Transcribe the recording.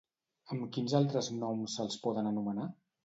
Amb quins altres noms se'ls poden anomenar?